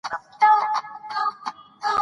د هغه کرکټر یو درس دی.